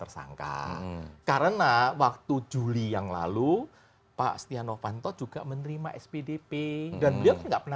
sangka karena waktu juli yang lalu pak stiano panto juga menerima spdp dan biar nggak pernah